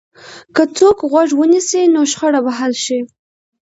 که څوک غوږ ونیسي، نو شخړه به حل شي.